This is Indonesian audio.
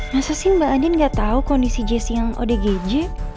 masa sih mbak andin gak tau kondisi jessy yang odgj